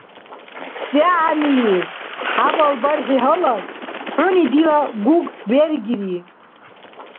Се гӀягӀнилив? ХӀябал бархӀи гьалаб хӀуни дила Гуг бергири?